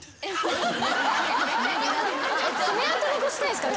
爪痕残したいんすか？